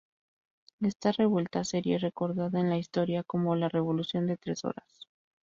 Esta revuelta sería recordada en la historia como "la revolución de tres horas".